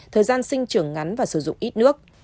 thời gian sinh trưởng ngắn và sử dụng ít nước